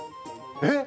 えっ？